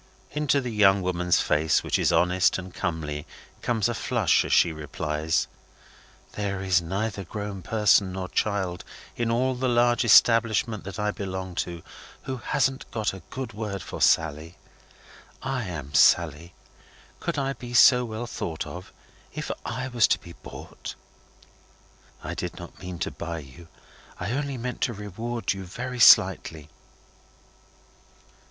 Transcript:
Into the young woman's face, which is honest and comely, comes a flush as she replies: "There is neither grown person nor child in all the large establishment that I belong to, who hasn't a good word for Sally. I am Sally. Could I be so well thought of, if I was to be bought?" "I do not mean to buy you; I mean only to reward you very slightly."